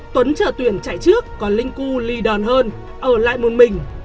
tuấn trở tuyển chạy trước còn linh cu ly đòn hơn ở lại một mình